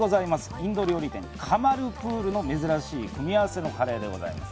印度料理店、カマルプールの珍しい組み合わせのカレーでございます。